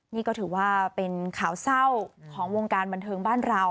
นี่ก็ถือว่าเป็นข่าวเศร้าของวงการบันเทิงบ้านเรา